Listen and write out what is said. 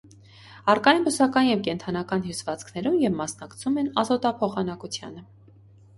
Առկա են բուսական և կենդանական հյուսվածքներում և մասնակցում են ազոտափոխանակությանը։